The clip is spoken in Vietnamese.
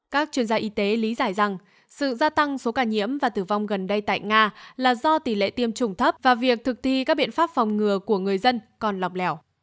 các chuyên gia y tế lý giải rằng sự gia tăng số ca nhiễm và tử vong gần đây tại nga là do tỷ lệ tiêm chủng thấp và việc thực thi các biện pháp phòng ngừa của người dân còn lọc lẻo